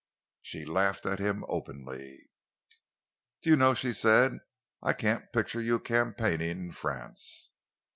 She laughed at him openly. "Do you know," she said, "I can't picture you campaigning in France!"